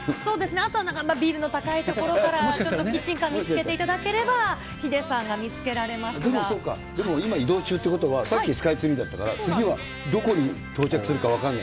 あとはビルの高い所からキッチンカー見つけていただければ、でも、そうか、でも今移動中ということは、さっきスカイツリーだったから、次はどこに到着するか分からない。